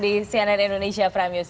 di cnn indonesia prime news